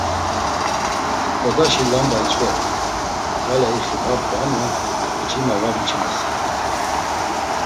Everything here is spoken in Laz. Odaşi lamba iç̌vert̆u; gale ixi bart̆u ama mç̌ima va mç̌imasert̆u.